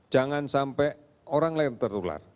jangan sampai orang lain tertular